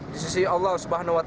di sisi allah swt